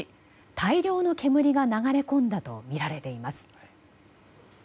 大量の煙が流れ込んだとみられています。